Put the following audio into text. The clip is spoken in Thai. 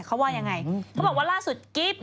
เขาว่ายังไงเขาบอกว่าล่าสุดกิ๊บ